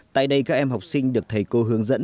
tại đây các em học sinh được thầy cô hướng dẫn